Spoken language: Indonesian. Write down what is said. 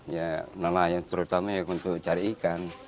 ya nelayan terutama untuk cari ikan